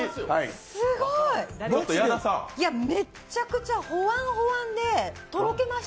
すごい、いや、めっちゃくちゃ、ほわんほわんでとろけました、